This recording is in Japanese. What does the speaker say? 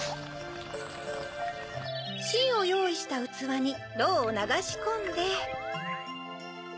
しんをよういしたうつわにロウをながしこんで。